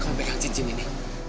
kamu pegang cincin ini